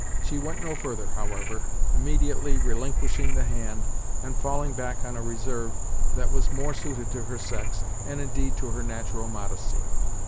She went no further, however, immediately relinquishing the hand, and falling back on a reserve that was more suited to her sex, and, indeed, to her natural modesty.